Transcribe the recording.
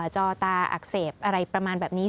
จอตาอักเสบอะไรประมาณแบบนี้